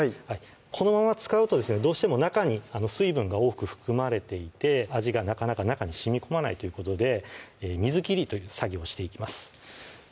このまま使うとどうしても中に水分が多く含まれていて味がなかなか中にしみこまないということで水切りという作業をしていきます